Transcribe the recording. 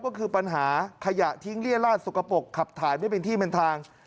ก็คือปัญหาขยะทิ้งเรียราชสกปรกขับถ่ายไม่เป็นที่เป็นทาง